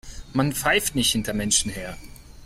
Man pfeift nicht hinter Menschen her.